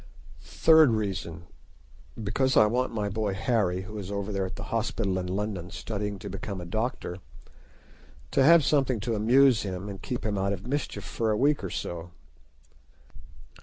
Third reason: Because I want my boy Harry, who is over there at the hospital in London studying to become a doctor, to have something to amuse him and keep him out of mischief for a week or so.